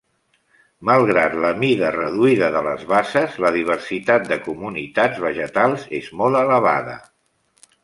Malgrat la mida reduïda de les basses, la diversitat de comunitats vegetals és molt elevada.